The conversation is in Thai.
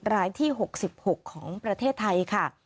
รายที่๖๖ของประเทศไทยค่ะ